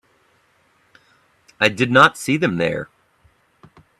I did not see them there.